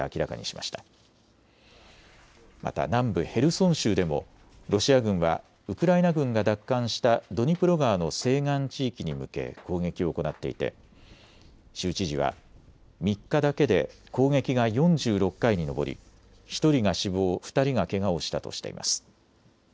また南部ヘルソン州でもロシア軍はウクライナ軍が奪還したドニプロ川の西岸地域に向け攻撃を行っていて州知事は３日だけで攻撃が４６回に上り１人が死亡、２人がけがをしたとしています。